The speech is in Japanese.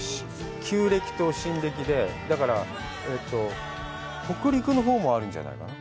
旧暦と新暦でだから、北陸のほうもあるんじゃないかな。